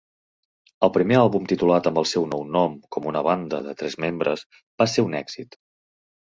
El primer àlbum titulat amb el seu nou nom com una banda de tres membres va ser un èxit.